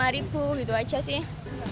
rp lima gitu aja sih